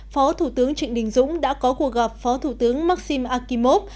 phó thủ tướng trịnh đình dũng đã có cuộc gặp phó thủ tướng maxim akimov